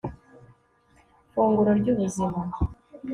funguro ry'ubuzima